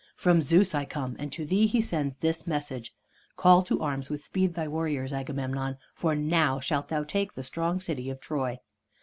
From Zeus I come, and to thee he sends this message: 'Call to arms with speed thy warriors, Agamemnon, for now shalt thou take the strong city of Troy.'"